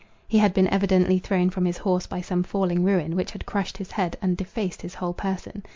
He had been evidently thrown from his horse by some falling ruin, which had crushed his head, and defaced his whole person.